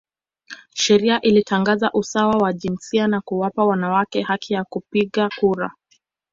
Sheria ilitangaza usawa wa jinsia na kuwapa wanawake haki ya kupiga kura.